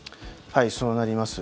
はい、そうなります。